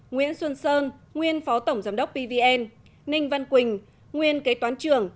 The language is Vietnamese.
nguyễn xuân sơn nguyên phó tổng giám đốc pvn ninh văn quỳnh nguyên kế toán trưởng